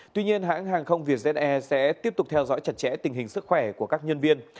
tuy nhiên hãng hàng không vietjet air sẽ tiếp tục theo dõi chặt chẽ tình hình sức khỏe của các nhân viên